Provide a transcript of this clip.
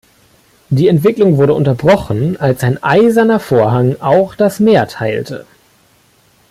Die Entwicklung wurde unterbrochen, als ein Eiserner Vorhang auch das Meer teilte.